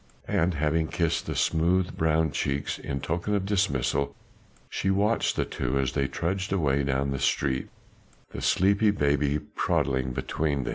And having kissed the smooth brown cheeks in token of dismissal, she watched the two as they trudged away down the street, the sleepy baby toddling between.